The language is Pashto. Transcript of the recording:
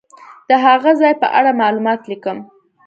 د هغه ځای په اړه معلومات لیکم.